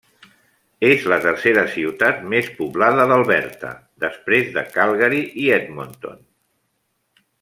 És la tercera ciutat més poblada d'Alberta després de Calgary i Edmonton.